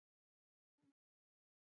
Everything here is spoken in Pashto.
دریابونه د افغانانو د معیشت سرچینه ده.